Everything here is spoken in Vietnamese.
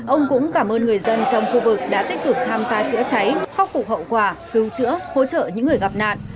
ông cũng cảm ơn người dân trong khu vực đã tích cực tham gia chữa cháy khắc phục hậu quả cứu chữa hỗ trợ những người gặp nạn